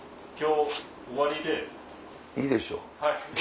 いいでしょ？